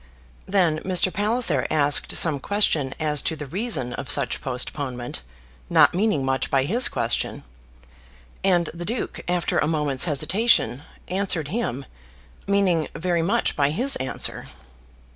Then Mr. Palliser asked some question as to the reason of such postponement, not meaning much by his question, and the Duke, after a moment's hesitation, answered him, meaning very much by his answer.